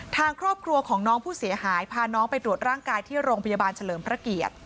ทางครอบครัวของน้องผู้เสียหายพาน้องไปตรวจร่างกายที่โรงพยาบาลเฉลิมพระเกียรติ